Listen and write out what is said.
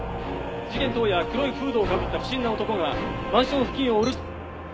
事件当夜黒いフードをかぶった不審な男がマンション付近をうろついて。